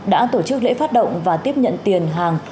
đã tổ chức lễ phát động và tiếp nhận tiền hàng